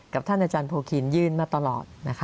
ท่านอาจารย์โพคีนยื่นมาตลอด